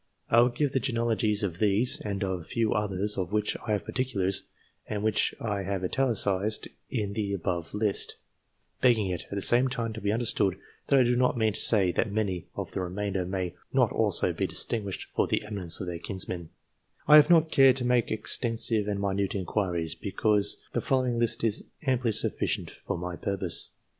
I will give the genealogies of these, and of a few others of which I have particulars, and which I have italicised in the above list, begging it at the same time to be understood that I do not mean to say that many u 290 SENIOR CLASSICS OF CAMBRIDGE of the remainder may not also be distinguished for the eminence of their kinsmen ; I have not cared to make extensive and minute inquiries, because the following list is amply sufficient for my purpose.